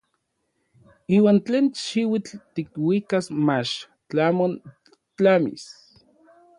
Iuan tlen xiuitl tikuikas mach tlamon tlamis.